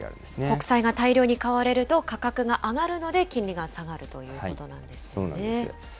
国債が大量に買われると、価格が上がるので、金利が下がるとそうなんですよ。